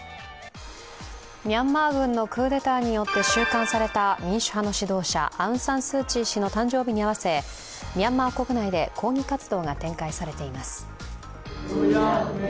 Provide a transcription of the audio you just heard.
ミャンマー軍のクーデターによって収監された民主派の指導者アウン・サン・スー・チー氏の誕生日に合わせミャンマー国内で、抗議活動が展開されています。